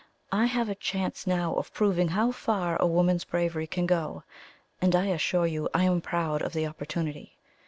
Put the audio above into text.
I have a chance now of proving how far a woman's bravery can go, and I assure you I am proud of the opportunity.